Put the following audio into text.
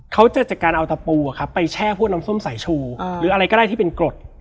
เขาจะจัดการเอาตะปูไปแช่พวกน้ำส้มสายชูหรืออะไรก็ได้ที่เป็นกรด